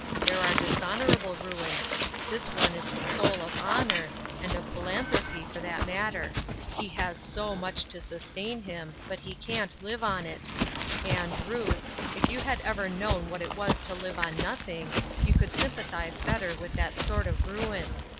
There are dishon orable ruins ; this one is the soul of honor, and of philanthropy, for that matter. He has %o much to sustain him, but he can't live on it. And, Ruth, if you had ever known what it was to live on nothing, you could sympathize better with that sort of ruin.